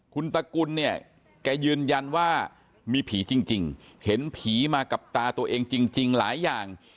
คุณตะกุลเนี่ยแกยืนยันว่ามีผีจริงเห็นผีมากับตาตัวเองจริงหลายอย่าง